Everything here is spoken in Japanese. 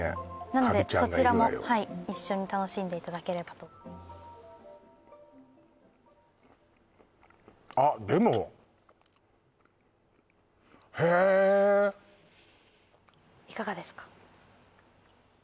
なのでそちらも一緒に楽しんでいただければとあっでもいかがですか？